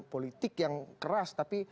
politik yang keras tapi